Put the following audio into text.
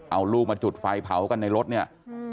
เอาลูกมาจุดไฟเผากันในรถเนี่ย